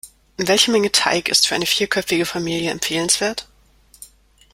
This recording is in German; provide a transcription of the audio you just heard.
Welche Menge Teig ist für eine vierköpfige Familie empfehlenswert?